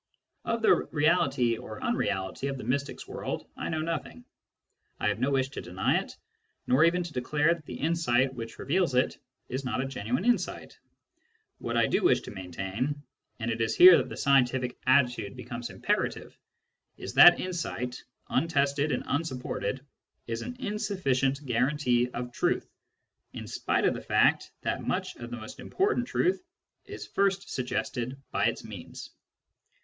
Of the reality or unreality of the mystic's world I know nothing. I have no wish to deny it, nor even to declare that the insight which reveals it is not a genuine insight. What I do wish to maintain — and it is here that the scientific attitude becomes imperative — is that insight, untested and unsupported, is an insufficient guarantee of truth, in spite of the fact that much of the most important truth is first suggested by its means.